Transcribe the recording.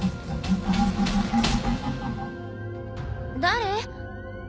誰？